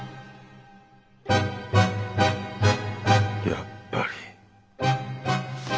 やっぱり。